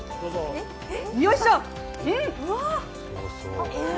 よいしょ！